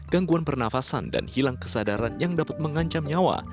gangguan pernafasan dan hilang kesadaran yang dapat mengancam nyawa